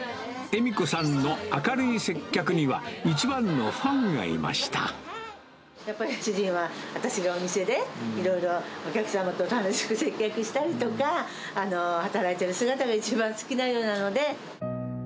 恵美子さんの明るい接客には、やっぱり主人は私がお店で、いろいろお客様と楽しく接客したりとか、働いている姿が一番好きなようなので。